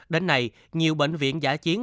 đến nay nhiều bệnh viện giả chiến